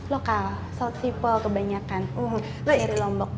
lokal salt people kebanyakan dari lombok